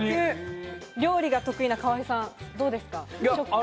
料理が得意な河井さん、どうですか？